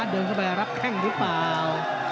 เดินเข้าไปรับแข้งหรือเปล่า